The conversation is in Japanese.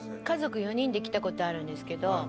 家族４人で来たことあるんですけど